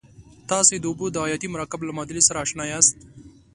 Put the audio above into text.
تاسې د اوبو د حیاتي مرکب له معادلې سره آشنا یاست.